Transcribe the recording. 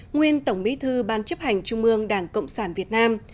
nguyên tổng bí thư ban chấp hành trung ương đảng cộng sản việt nam